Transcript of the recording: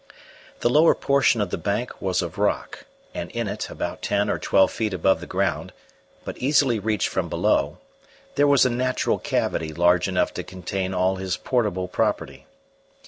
The lower portion of the bank was of rock; and in it, about ten or twelve feet above the ground, but easily reached from below, there was a natural cavity large enough to contain all his portable property.